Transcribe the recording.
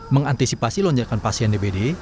mengantisipasi lonjakan pasien dbd